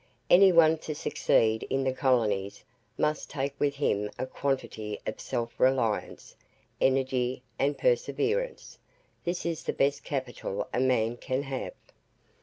Any one to succeed in the colonies must take with him a quantity of self reliance, energy, and perseverance; this is the best capital a man can have.